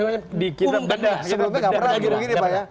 sebelumnya nggak pernah begini begini pak ya